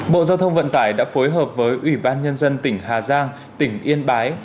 bộ giao thông vận tải đã phối hợp với ủy ban nhân dân tỉnh hà giang tỉnh yên bái